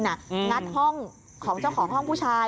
งัดห้องของเจ้าของห้องผู้ชาย